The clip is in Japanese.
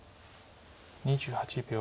２８秒。